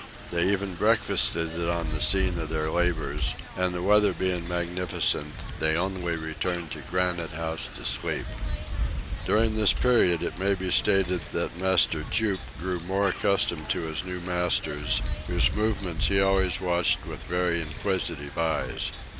They even breakfasted on the scene of their labors, and the weather being magnificent, they only returned to Granite House to sleep. During this period it may be stated that Master Jup grew more accustomed to his new masters, whose movements he always watched with very inquisitive eyes.